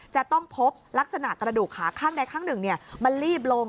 จะต้องพบลักษณะกระดูกขาข้างใดข้างหนึ่งมันรีบลง